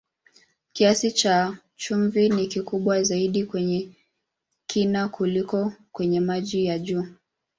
Kiasi cha chumvi ni kikubwa zaidi kwenye kina kuliko kwenye maji ya juu.